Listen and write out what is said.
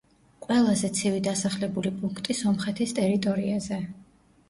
ყველაზე ცივი დასახლებული პუნქტი სომხეთის ტერიტორიაზე.